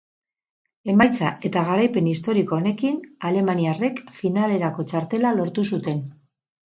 Emaitza eta garaipen historiko honekin, alemaniarrek finalerako txartela lortu zuten.